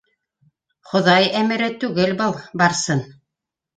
Хоҙай әмере түгел был, Барсын...